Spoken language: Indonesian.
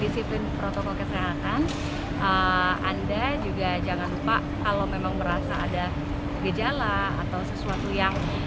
disiplin protokol kesehatan anda juga jangan lupa kalau memang merasa ada gejala atau sesuatu yang